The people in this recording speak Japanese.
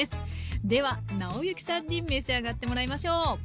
では尚之さんに召し上がってもらいましょう。